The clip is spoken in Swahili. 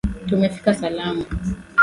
Tumefika salama